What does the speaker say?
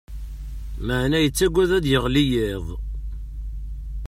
Maɛna yettaggad ad d-yeɣli yiḍ.